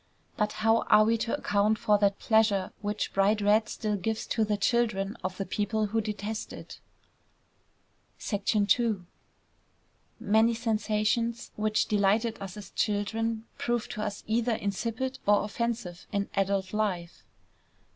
But how are we to account for that pleasure which bright red still gives to the children of the people who detest it? II Many sensations which delighted us as children, prove to us either insipid or offensive in adult life.